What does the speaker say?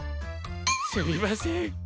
すみません。